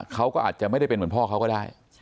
เขาก็อาจจะไม่ได้เป็นเหมือนพ่อเขาก็ได้